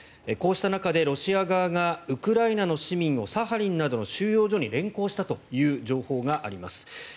こうした中でロシア側がウクライナの市民をサハリンなどの収容所に連行したという情報があります。